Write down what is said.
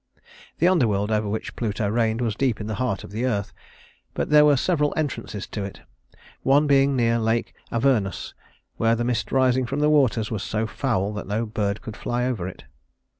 The underworld, over which Pluto reigned, was deep in the heart of the earth; but there were several entrances to it, one being near Lake Avernus, where the mist rising from the waters was so foul that no bird could fly over it.